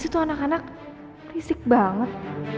di situ anak anak risik banget